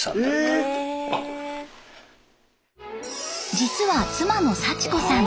実は妻の幸子さん